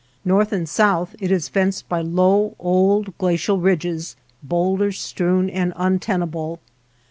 North and south it is fenced by low old glacial ridges, boulder strewn and untenable.